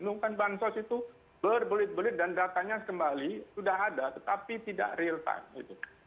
mengungkan bansos itu berbelit belit dan datanya kembali sudah ada tetapi tidak real time gitu